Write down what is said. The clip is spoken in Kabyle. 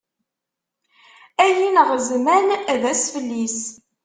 Ay ineɣ zman, d asfel-is.